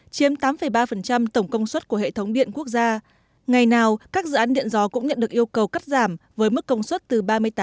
chiếm tám ba tổng công suất của hệ thống điện quốc gia ngày nào các dự án điện gió cũng nhận được yêu cầu cắt giảm với mức công suất từ ba mươi tám